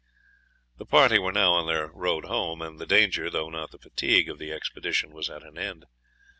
The party were now on their road home, and the danger, though not the fatigue, of the expedition was at an end.